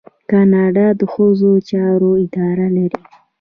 کاناډا د ښځو چارو اداره لري.